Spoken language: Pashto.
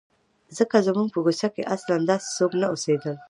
ځکه زموږ په کوڅه کې اصلاً داسې څوک نه اوسېدل.